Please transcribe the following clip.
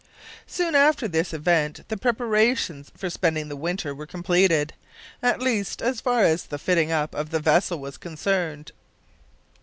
Soon after this event the preparations for spending the winter were completed; at least as far as the fitting up of the vessel was concerned.